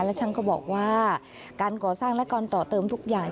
และช่างก็บอกว่าการก่อสร้างและการต่อเติมทุกอย่าง